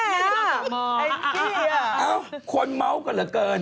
เอ้าคนเมาส์กันเหลือเกิน